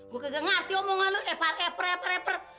gue nggak ngerti omongan lo eper eper eper eper